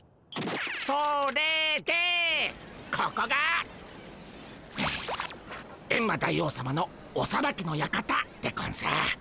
それでここがエンマ大王さまのおさばきの館でゴンス。